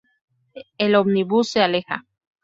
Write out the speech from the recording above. El ómnibus se aleja.